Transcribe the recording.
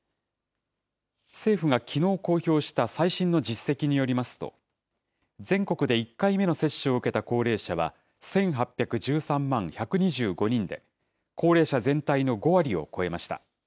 政府がきのう公表した最新の実績によりますと、全国で１回目の接種を受けた高齢者は１８１３万１２５人で、高齢者全体の５割を超えました。